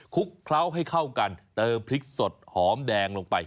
ลุกเคล้าให้เข้ากันเติมพริกสดหอมแดงลงไป